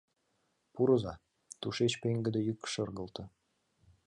— Пурыза! — тушеч пеҥгыде йӱк шергылте.